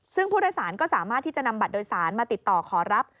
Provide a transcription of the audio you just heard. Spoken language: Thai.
ซึ่งผู้โดยสารก็สามารถที่จะนำบัตรโดยสารมาติดต่อขอรับ